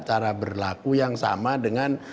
cara berlaku yang sama dengan